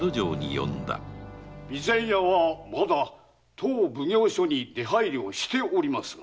備前屋はまだ当奉行所に出入りをしておりますが。